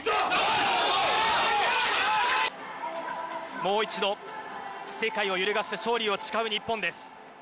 もう一度、世界を揺るがす勝利を誓う日本です。